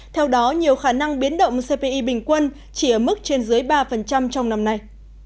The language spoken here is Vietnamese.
theo đó nhiều khả năng biến động cpi bình quân chỉ ở mức trên dưới ba trong năm nay